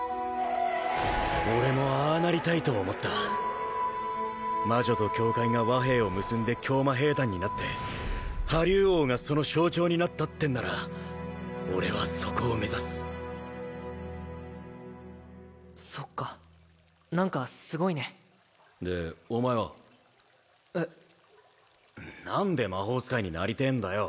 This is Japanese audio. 俺もああなりたいと思った魔女と教会が和平を結んで教魔兵団になって破竜王がその象徴になったってんなら俺はそこを目指すそっか何かすごいねでお前は？えっ？何で魔法使いになりてえんだよ